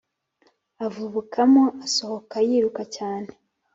avubukamo: asohokamo yiruka cyane